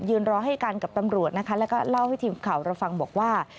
รอให้กันกับตำรวจนะคะแล้วก็เล่าให้ทีมข่าวเราฟังบอกว่า